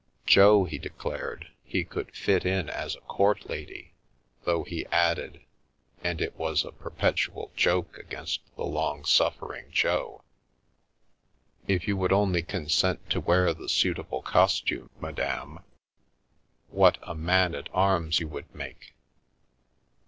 Jo, he declared, he could "fit in" as a court lady, though he added — and it was a perpetual joke against the long suffering Jo —" If you would only consent to wear the suitable costume, Madame, what a man at arms you would make